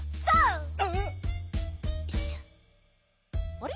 あれ？